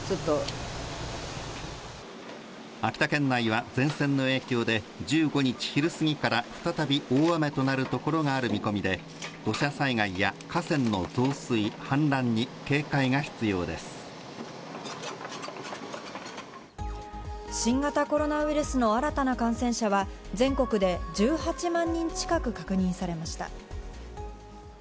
秋田県内は前線の影響で、１５日昼過ぎから再び大雨となる所がある見込みで、土砂災害や河川の増水、新型コロナウイルスの新たな感染者は、全国で１８万人近く確認されました。